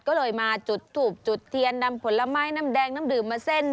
ก็เลยมาจุดทูบจุดเทียนนำผลไม้น้ำแดงน้ำดื่มมาเส้น